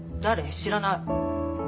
知らない。